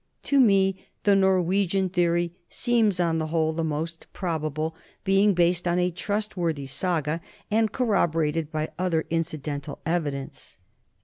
To me the Norwegian theory seems on the whole the most probable, being based on a trustworthy saga and corroborated by other incidental evidence.